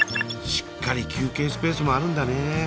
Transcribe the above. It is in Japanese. しっかり休憩スペースもあるんだね。